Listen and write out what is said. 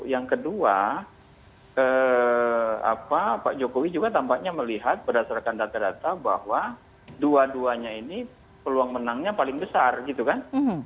yang kedua pak jokowi juga tampaknya melihat berdasarkan data data bahwa dua duanya ini peluang menangnya paling besar gitu kan